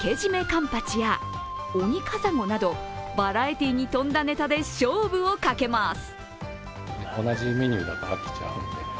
かんぱちや、オニカサゴなどバラエティーに富んだネタで勝負をかけます。